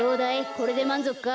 これでまんぞくか？